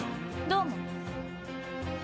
どうも。